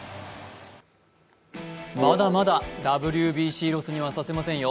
まだまだＷＢＣロスにはさせませんよ。